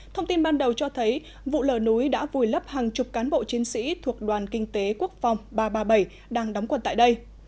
thông tin ban đầu cho thấy vụ lở núi đã vùi lấp hàng chục cán bộ chiến sĩ thuộc đoàn kinh tế quốc phòng ba trăm ba mươi bảy đang đóng quần tại đây